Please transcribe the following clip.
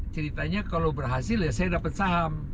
ceritanya kalau berhasil ya saya dapat saham